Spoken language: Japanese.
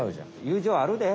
友情あるで。